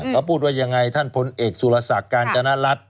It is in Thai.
เขาพูดว่ายังไงท่านพลเอกสุรศักดิ์การจนรัฐ